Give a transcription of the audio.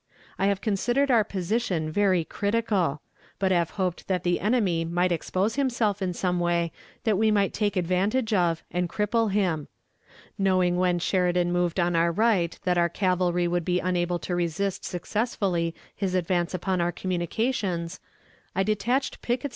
I have considered our position very critical; but have hoped that the enemy might expose himself in some way that we might take advantage of, and cripple him. Knowing when Sheridan moved on our right that our cavalry would be unable to resist successfully his advance upon our communications, I detached Pickett's division to support it.